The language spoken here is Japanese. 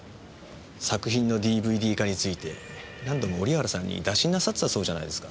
作品のＤＶＤ化について何度も織原さんに打診なさってたそうじゃないですか。